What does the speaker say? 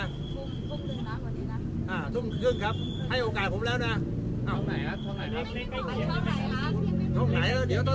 อ่าทุ่มเครื่องครับให้โอกาสผมแล้วน่ะท่องไหนครับท่องไหนครับ